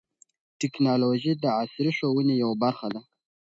ټیکنالوژي د عصري ښوونې یوه برخه ده.